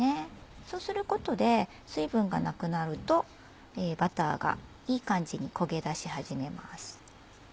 そうすることで水分がなくなるとバターがいい感じに焦げ出し始めます。